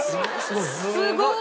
すごい！